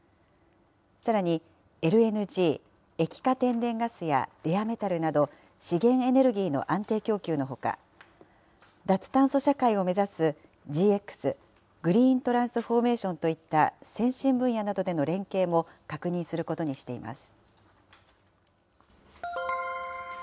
さらに、ＬＮＧ・液化天然ガスやレアメタルなど、資源エネルギーの安定供給のほか、脱炭素社会を目指すＧＸ・グリーントランスフォーメーションといった先進分野などでの連携も確認することにしています。